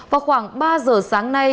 vào khoảng ba giờ sáng nay